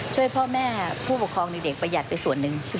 ช่วยพ่อแม่ผู้ปกครองเด็กประหยัดไปส่วนหนึ่ง